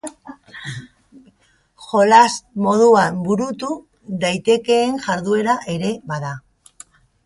Jolas moduan burutu daitekeen jarduera ere bada.